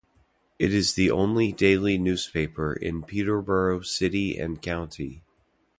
It is the only daily newspaper in Peterborough city and county.